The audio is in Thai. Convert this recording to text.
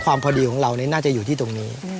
พอดีของเรานี่น่าจะอยู่ที่ตรงนี้